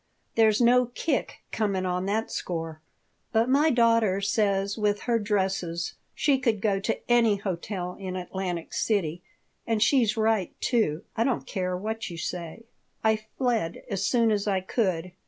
"There's no kick comin' on that score. But my daughter says with her dresses she could go to any hotel in Atlantic City, and she's right, too. I don't care what you say." I fled as soon as I could.